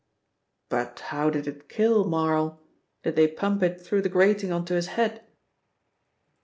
"But how did it kill Marl? Did they pump it through the grating on to his head?"